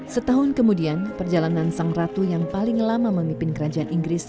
setahun kemudian perjalanan sang ratu yang paling lama memimpin kerajaan inggris